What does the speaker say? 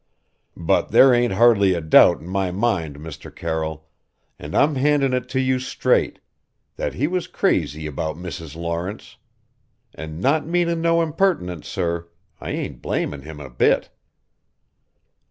But there ain't hardly a doubt in my mind, Mr. Carroll an' I'm handin' it to you straight that he was crazy about Mrs. Lawrence. And, not meanin' no impertinence, sir I ain't blamin' him a bit.